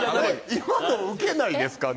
今のウケないですかね？